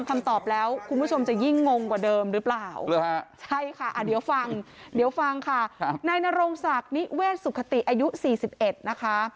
คำตอบแล้วคุณผู้ชมจะยิ่งงงกว่าเดิมหรือเปล่าใช่ค่ะเดี๋ยวฟังเดี๋ยวฟังค่ะนายนรงศักดิ์นิเวศสุขติอายุ๔๑นะคะ